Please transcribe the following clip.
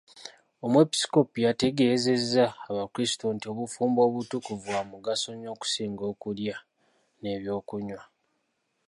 Omwepisikoopi yategeezezza abakrisito nti obufumbo obutukuvu bwa mugaso nnyo okusinga okulya n'ebyokunywa.